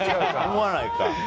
思わないか。